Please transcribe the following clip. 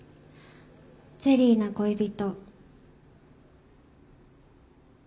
「ゼリーな恋人」。